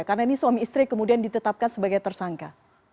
karena ini suami istri kemudian ditetapkan sebagai tersangka